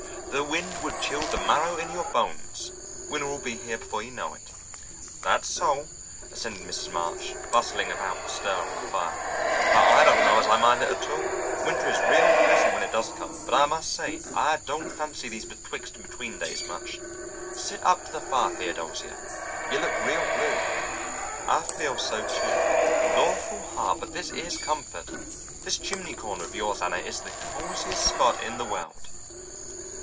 "The wind would chill the marrow in your bones; winter'll be here before you know it." "That's so," assented Mrs. March, bustling about to stir up the fire. "But I don't know as I mind it at all. Winter is real pleasant when it does come, but I must say, I don't fancy these betwixt and between days much. Sit up to the fire, Theodosia. You look real blue." "I feel so too. Lawful heart, but this is comfort. This chimney corner of yours, Anna, is the cosiest spot in the world."